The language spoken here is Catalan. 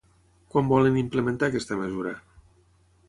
Quan volen implementar aquesta mesura?